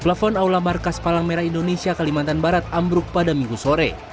plafon aula markas palang merah indonesia kalimantan barat ambruk pada minggu sore